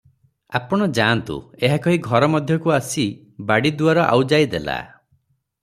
ଆପଣ ଯାଆନ୍ତୁ" ଏହା କହି ଘର ମଧ୍ୟକୁ ଆସି ବାଡ଼ି ଦୁଆର ଆଉଜାଇ ଦେଲା ।